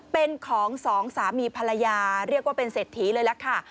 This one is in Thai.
เป็นของสองสามีภรรยาเรียกว่าเป็นเศรษฐีเลยล่ะค่ะ